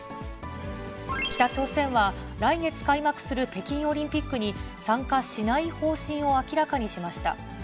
北朝鮮は来月開幕する北京オリンピックに、参加しない方針を明らかにしました。